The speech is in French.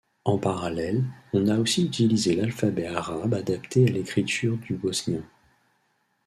En parallèle, on a aussi utilisé l’alphabet arabe adapté à l’écriture du bosnien.